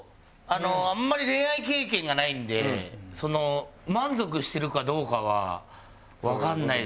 あんまり恋愛経験がないんで満足してるかどうかはわかんないですね。